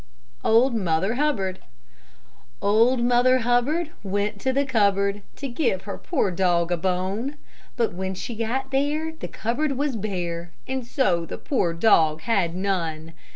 OLD MOTHER HUBBARD Old Mother Hubbard Went to the cupboard, To give her poor dog a bone; But when she got there The cupboard was bare, And so the poor dog had none.